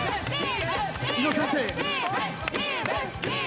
井野先生。